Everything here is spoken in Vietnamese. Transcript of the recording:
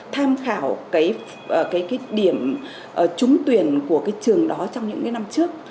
tham khảo cái điểm trúng tuyển của cái trường đó trong những cái năm trước